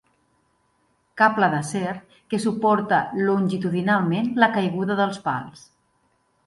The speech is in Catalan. Cable d'acer que suporta longitudinalment la caiguda dels pals.